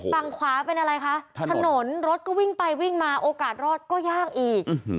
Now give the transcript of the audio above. ฝั่งขวาเป็นอะไรคะถนนรถก็วิ่งไปวิ่งมาโอกาสรอดก็ยากอีก